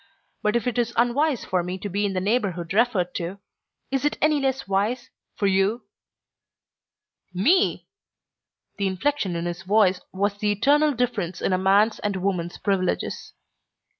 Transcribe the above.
But if it is unwise for me to be in the neighborhood referred to, is it any less wise for you?" "Me?" The inflection in his voice was the eternal difference in a man's and woman's privileges.